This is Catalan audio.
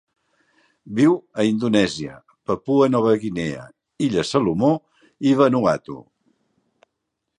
Viu a Indonèsia, Papua Nova Guinea, Illes Salomó i Vanuatu.